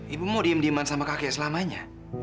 ibu mau diem dieman sama kakek selamanya